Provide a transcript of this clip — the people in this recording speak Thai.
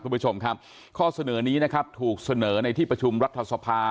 คุณผู้ชมครับข้อเสนอนี้นะครับถูกเสนอในที่ประชุมรัฐสภา